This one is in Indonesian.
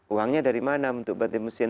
uangnya dari mana untuk banting mesin